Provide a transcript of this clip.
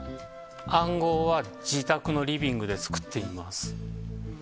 暗号は自宅のリビングで作っています。